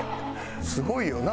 すごいよな。